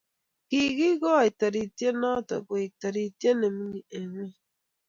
kikigoi toriyte noto koek toritye nimengin end ngony.